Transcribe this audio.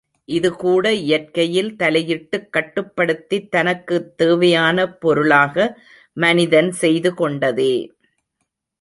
இதுகூட இயற்கையில் தலையிட்டுக் கட்டுப்படுத்தித் தனக்குத் தேவையான் பொருளாக மனிதன் செய்துகொண்டதே.